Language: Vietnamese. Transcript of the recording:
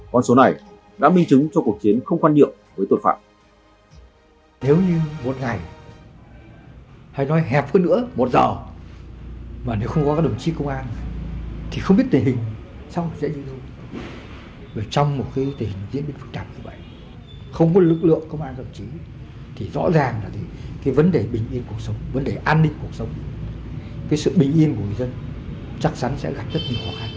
con số này đã minh chứng cho cuộc chiến không quan nhiệm với tuyệt phạm